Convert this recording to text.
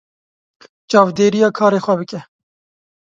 çavdêrîya karê xwe bike